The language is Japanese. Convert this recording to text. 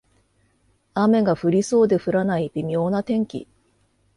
雨が降りそうで降らない微妙な天気